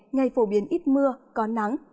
ngày phổ biến ít mưa có nắng